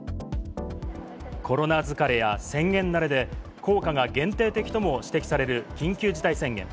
コロナ疲れや宣言慣れで、効果が限定的とも指摘される緊急事態宣言。